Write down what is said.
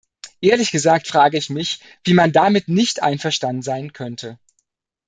Ehrlich gesagt frage ich mich, wie man damit nicht einverstanden sein könnte.